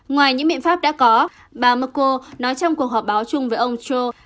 ngoài những biện pháp đã có bà marco nói trong cuộc họp báo chung với ông trump